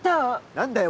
何だよ？